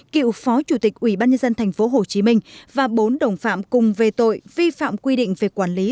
cựu phó chủ tịch ủy ban nhân dân thành phố hồ chí minh và bốn đồng phạm cùng về tội vi phạm quy định về quản lý